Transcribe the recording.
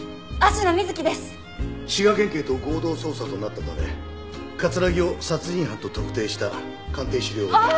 滋賀県警と合同捜査となったため木を殺人犯と特定した鑑定資料を持ってきて。